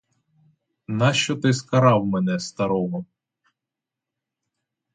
Нащо ти скарав мене старого?